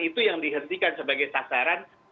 itu yang dihentikan sebagai sasaran